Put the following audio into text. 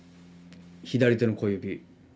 左手の小指。